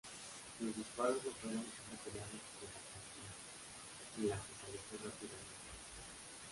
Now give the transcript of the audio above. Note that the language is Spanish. Los disparos no fueron repelidos por la cañonera, la que se alejó rápidamente.